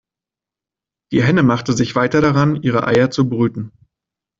Die Henne machte sich weiter daran, ihre Eier zu brüten.